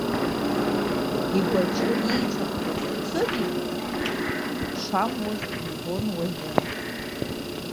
Игәаҿы ииҵәахуаз цәыримгар шамуаз ибон уажәы.